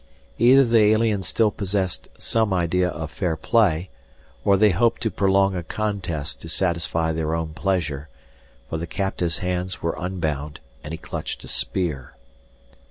Either the aliens still possessed some idea of fair play or they hoped to prolong a contest to satisfy their own pleasure, for the captive's hands were unbound and he clutched a spear.